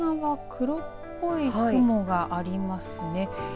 黒っぽい雲がありますね。